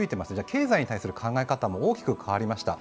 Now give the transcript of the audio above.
経済についての考え方も大きく変わりました。